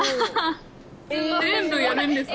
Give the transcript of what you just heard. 全部やるんですか？